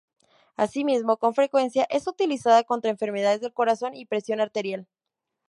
Asimismo, con frecuencia es utilizada contra enfermedades del corazón y presión arterial.